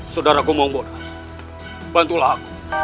sudara gomongbora bantulah aku